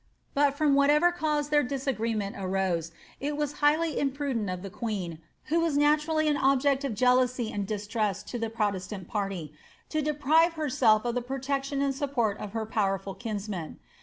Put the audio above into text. But from whatever causa their disagreement arose, it was highly imprudent of the queen, who was naturally an object of jodousy and distrust to the protestant party, to deprive herself of the protection and support of her powerful kinsman.